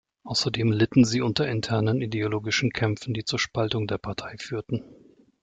Außerdem litten sie unter internen ideologischen Kämpfen, die zur Spaltung der Partei führten.